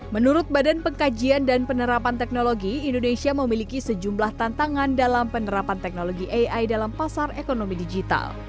menurut badan pengkajian dan penerapan teknologi indonesia memiliki sejumlah tantangan dalam penerapan teknologi ai dalam pasar ekonomi digital